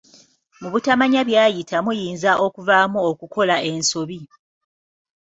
Mu butamanya byayita muyinza okuvaamu okukola ensobi.